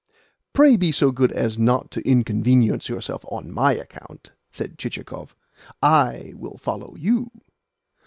"Pray be so good as not to inconvenience yourself on my account," said Chichikov. "I will follow YOU."